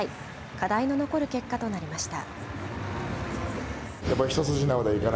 課題の残る結果となりました。